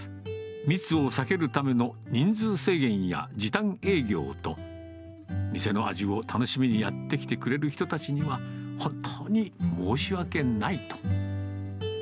密を避けるための人数制限や時短営業と、店の味を楽しみにやって来てくれる人たちには、本当に申し訳ないと。